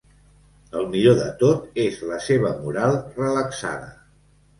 El millor de tot és la seva moral relaxada.